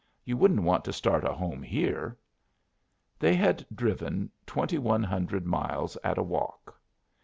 You wouldn't want to start a home here?" They had driven twenty one hundred miles at a walk.